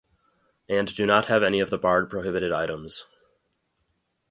and do not have any of the barred prohibited items.